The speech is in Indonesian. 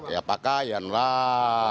ya pakaian lah